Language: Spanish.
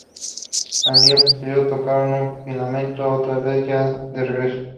Al día posterior tocaron en Finlandia otra vez, ya de regreso.